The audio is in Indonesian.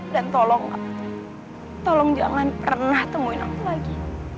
dan tolong kak tolong jangan pernah temuin aku lagi